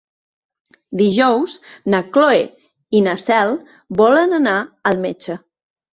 Dijous na Cloè i na Cel volen anar al metge.